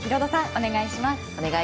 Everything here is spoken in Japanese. お願いします。